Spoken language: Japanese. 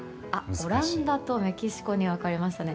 オランダとメキシコに分かれましたね。